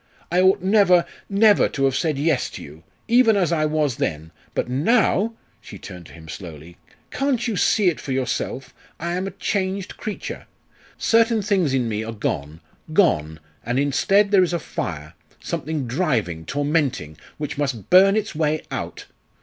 I ought never never to have said 'Yes' to you even as I was then. But now," she turned to him slowly, "can't you see it for yourself? I am a changed creature. Certain things in me are gone gone and instead there is a fire something driving, tormenting which must burn its way out.